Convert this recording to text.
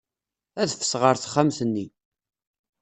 Adfet ɣer texxamt-nni.